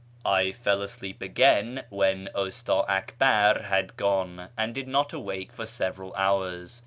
I fell asleep again when Usta Akbar had gone, and did not awake for several hours.